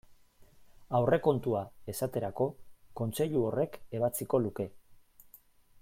Aurrekontua, esaterako, Kontseilu horrek ebatziko luke.